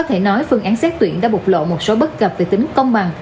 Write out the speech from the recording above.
có thể nói phương án xét tuyển đã bộc lộ một số bất cập về tính công bằng